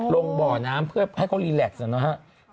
บ่อน้ำเพื่อให้เขารีแล็กซ์นะครับ